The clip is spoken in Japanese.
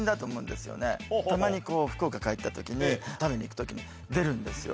たまに福岡帰った時に食べに行く時に出るんですよ。